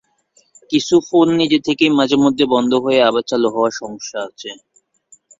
কিছু ফোন নিজে থেকেই মাঝেমধ্যে বন্ধ হয়ে আবার চালু হওয়ার সমস্যা আছে।